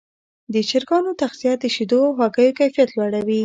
د چرګانو تغذیه د شیدو او هګیو کیفیت لوړوي.